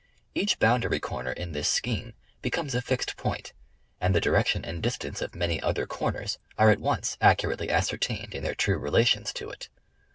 Each boundary corner in this scheme becomes a fixed point, and the direction and distance of many other corners are at once accurately ascertained in their true relations to it.